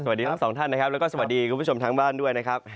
สวัสดีทั้งสองท่านนะครับแล้วก็สวัสดีคุณผู้ชมทางบ้านด้วยนะครับ